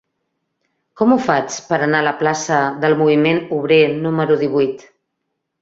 Com ho faig per anar a la plaça del Moviment Obrer número divuit?